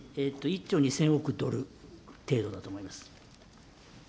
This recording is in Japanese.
１兆２０００億ドル程度だと思います。